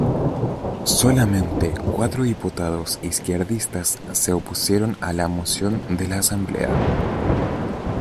Solamente cuatro diputados izquierdistas se opusieron a la moción de la Asamblea.